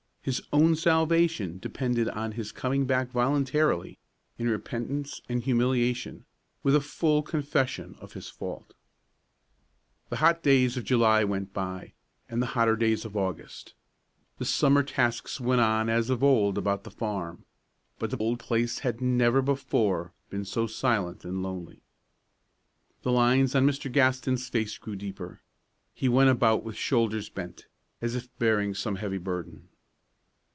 His own salvation depended on his coming back voluntarily in repentance and humiliation, with a full confession of his fault. The hot days of July went by, and the hotter days of August. The summer tasks went on as of old about the farm, but the old place had never before been so silent and lonely. The lines on Mr. Gaston's face grew deeper. He went about with shoulders bent, as if bearing some heavy burden.